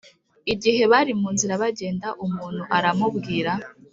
Igihe bari mu nzira bagenda umuntu aramubwira